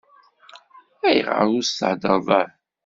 Ayɣer ur s-thedreḍ ara?